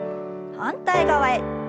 反対側へ。